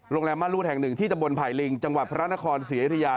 โรงแรมม่ารูดแห่งหนึ่งที่ตะบนไผ่ลิงจังหวัดพระนครศรีอยุธยา